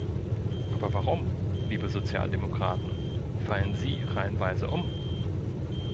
Aber warum, liebe Sozialdemokraten, fallen Sie reihenweise um?